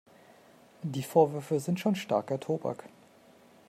Die Vorwürfe sind schon starker Tobak.